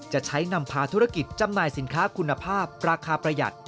จะใช้นำพาธุรกิจจำหน่ายสินค้าคุณภาพราคาประหยัด